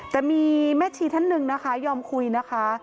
แต่มีแม่ชีท่านหนึ่งนะคะยอมคุยนะคะ